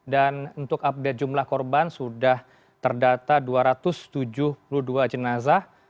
dan untuk update jumlah korban sudah terdata dua ratus tujuh puluh dua jenazah